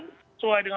kita sudah tetapkan